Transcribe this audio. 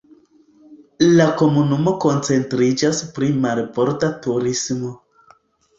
La komunumo koncentriĝas pri marborda turismo.